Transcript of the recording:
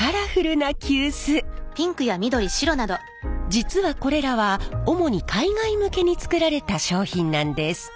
実はこれらは主に海外向けに作られた商品なんです。